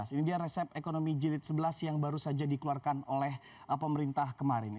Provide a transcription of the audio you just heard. ini dia resep ekonomi jilid sebelas yang baru saja dikeluarkan oleh pemerintah kemarin